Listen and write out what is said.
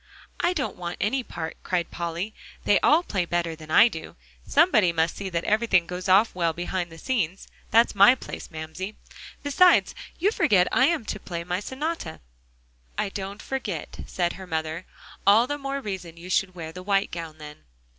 "I don't want any part," cried Polly; "they all play better than I do. Somebody must see that everything goes off well behind the scenes; that's my place, Mamsie. Besides, you forget I am to play my sonata." "I don't forget," said her mother; "all the more reason you should wear the white gown, then."